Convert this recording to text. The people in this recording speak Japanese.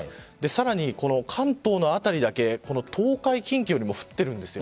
さらに関東の辺りだけ東海、近畿よりも降っているんです。